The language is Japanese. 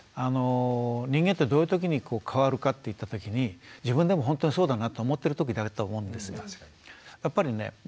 人間ってどういうときに変わるかっていったときに自分でも本当にそうだなと思ってるときだと思うんですよ。